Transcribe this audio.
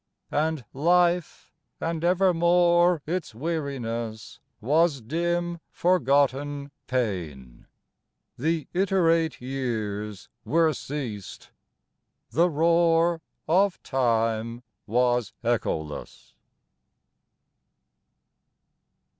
And life, and evermore its weariness Was dim forgotten pain, the iterate years Were ceased, the roar of time was echoless.